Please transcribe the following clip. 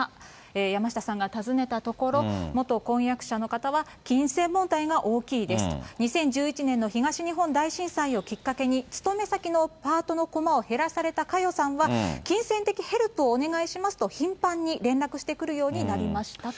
山下さんが尋ねたところ、元婚約者の方は、金銭問題が大きいですと、２０１１年の東日本大震災をきっかけに、勤め先のパートのコマを減らされた佳代さんは、金銭的ヘルプをお願いしますと頻繁に連絡してくるようになりましたと。